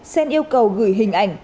xen yêu cầu gửi hình ảnh